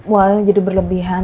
walnya jadi berlebihan